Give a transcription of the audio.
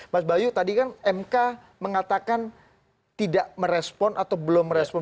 mas bayu tadi kan mk mengatakan tidak merespon atau belum merespon